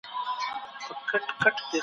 روښانه فکر جنجال نه راوړي.